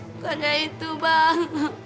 bukanlah itu bang